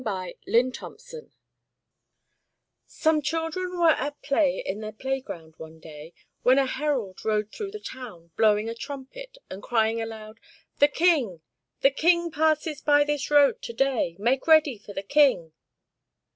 THE COMING OF THE KING Some children were at play in their play ground one day, when a herald rode through the town, blowing a trumpet, and crying aloud, "The King! the King passes by this road to day. Make ready for the King!"